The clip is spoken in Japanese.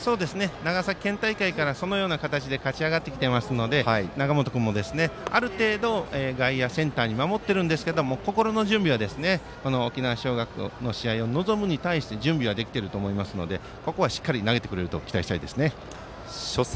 長崎県大会からそのような形で勝ち上がってきていますので永本君もある程度外野センター守ってるんですけど心の準備は沖縄尚学の試合を臨むに対して準備はできていると思いますのでしっかり投げてくれると期待したいです。